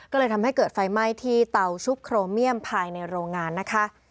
ก็เลยทำให้เกิดไฟไหม้ที่เตาชุบโครเมียมภายในโรงงานนะคะ